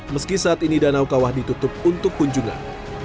meski saat ini danau kawah ditutup untuk kunjungan